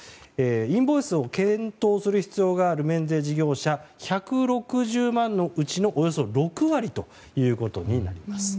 インボイスを検討する必要がある免税事業者１６０万のうちのおよそ６割となります。